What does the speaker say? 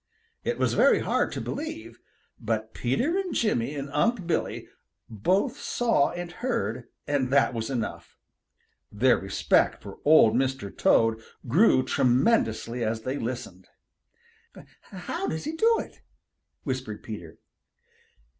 It was very hard to believe, but Peter and Jimmy and Unc' Billy both saw and heard, and that was enough. Their respect for Old Mr. Toad grew tremendously as they listened. "How does he do it?" whispered Peter.